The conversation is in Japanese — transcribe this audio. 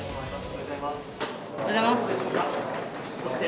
おはようございます。